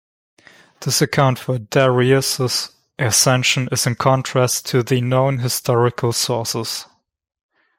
This account of Darius's ascension is in contrast to the known historical sources.